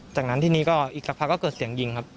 จากนั้นทีนี้ก็อีกสักพักก็เกิดเสียงยิงครับ